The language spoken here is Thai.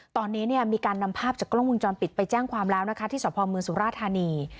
ตอนนี้เนี่ยมีการนำภาพจากกล้องมือจรปิดไปแจ้งความร้าวนะคะที่สวพอมือสุรธานี